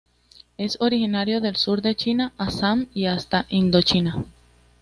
Es originario del sur de China, Assam y hasta Indochina.